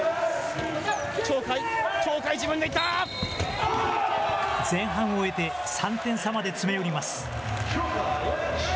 鳥海、鳥海、前半を終えて３点差まで詰め寄ります。